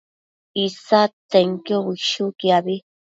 isadtsenquio bëshuquiabi